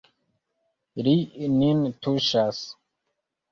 Li nin tuŝas.